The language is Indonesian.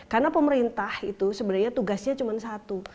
karena pemerintah itu sebenarnya tugasnya cuma satu